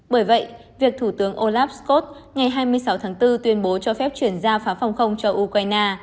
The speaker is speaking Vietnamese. bởi vậy việc thủ tướng olaf scholz ngày hai mươi sáu tháng bốn tuyên bố cho phép chuyển ra phá phòng không cho ukraine